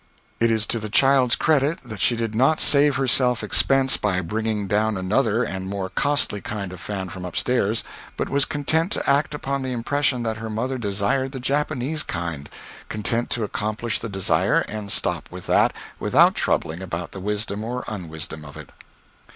It is to the child's credit that she did not save herself expense by bringing down another and more costly kind of fan from up stairs, but was content to act upon the impression that her mother desired the Japanese kind content to accomplish the desire and stop with that, without troubling about the wisdom or unwisdom of it.